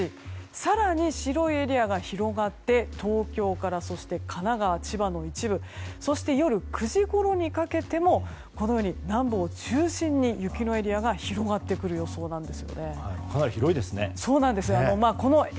更に白いエリアが広がって東京から神奈川、千葉の一部そして、夜９時ごろにかけても南部を中心に雪のエリアが広がってくる予想なんです。